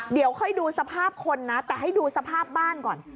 เดี๋ยวค่อยดูสภาพคนนะแต่ให้ดูสภาพบ้านก่อน